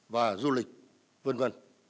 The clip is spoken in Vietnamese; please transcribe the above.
và du lịch v v